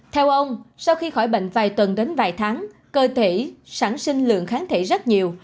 theo ông sau khi khỏi bệnh vài tuần đến vài tháng cơ thể sản sinh lượng kháng thể rất nhiều